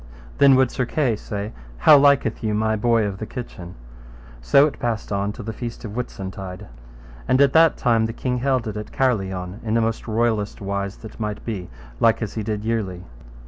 Then would Sir Kay say, How liketh you my boy of the kitchen? So it passed on till the feast of Whitsuntide. And at that time the king held it at Carlion in the most royallest wise that might be, like as he did yearly.